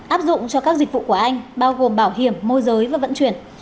áp dụng cho các dịch vụ của anh bao gồm bảo hiểm môi giới và vận chuyển